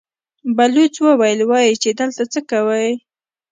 بلوڅ وويل: وايي چې دلته څه کوئ؟